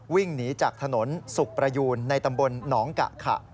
วิ่งหนีจากถนนสุขประยูนในตำบลหนองกะขะ